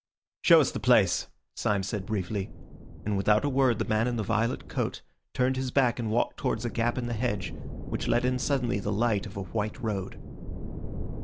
"Show us the place," Syme said briefly, and without a word the man in the violet coat turned his back and walked towards a gap in the hedge, which let in suddenly the light of a white road.